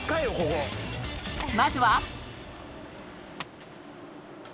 まずは。